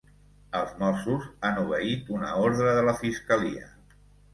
Els Mossos han obeït una ordre de la fiscalia